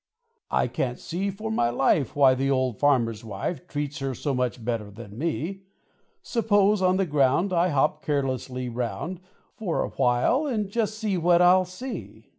"I can't see for my life Why the old farmer's wife. Treats her so much better than me. Suppose on the ground I hop carelessly round For awhile, and just see what I'll see."